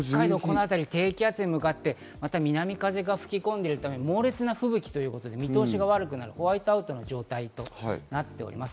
低気圧に向かって南風が吹き込んでいるため、猛烈な吹雪ということで見通しが悪くなる、ホワイトアウトの状態となっております。